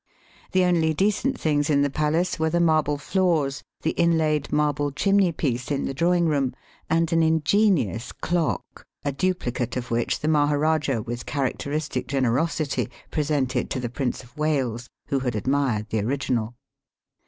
The only decent things in the palace were the marble floors, the inlaid marble chimney piece in the drawing room, and ai^ ingenious clock, a dupHcate of which the Maharajah with characteristic generosity presented to the Prince of Wales, who had admired the original.